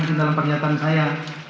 ini dalam pernyataan saya